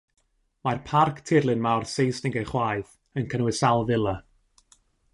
Mae'r parc tirlun mawr Seisnig ei chwaeth yn cynnwys sawl fila.